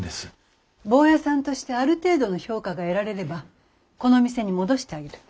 ボーヤさんとしてある程度の評価が得られればこの店に戻してあげる。